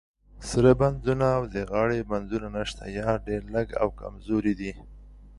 سر بندونه او د غاړو بندونه نشته، یا ډیر لږ او کمزوري دي.